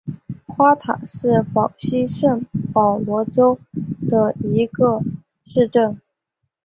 夸塔是巴西圣保罗州的一个市镇。